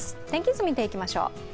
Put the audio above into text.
天気図、見ていきましょう。